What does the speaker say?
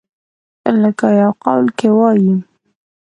لکه يو قول کښې وائي ۔